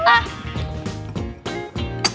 อ้าว